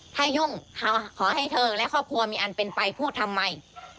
ถ้ายุ่งขอให้เธอและครอบครัวมีอันเป็นไปพูดทำไม